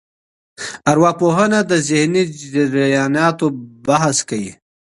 ارواپوهنه د ذهني جرياناتو بحث کوي.